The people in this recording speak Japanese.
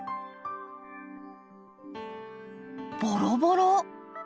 ボロボロ。